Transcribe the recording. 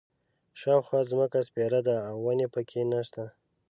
شاوخوا ځمکه سپېره ده او ونې په کې نه شته.